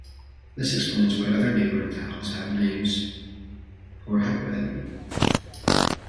This explains why other neighboring towns have names porhepeni.